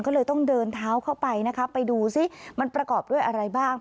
ก็เลยต้องเดินเท้าเข้าไปนะคะไปดูซิมันประกอบด้วยอะไรบ้าง